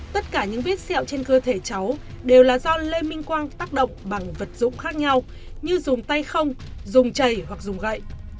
tất cả những vết sẹo trên cơ thể cháu đều là do lê minh quang tác động bằng vật dụng khác nhau như dùng tay không dùng chảy hoặc dùng gậy